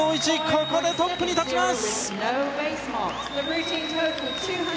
ここでトップに立ちます！